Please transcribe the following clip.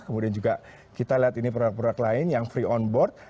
kemudian juga kita lihat ini produk produk lain yang free on board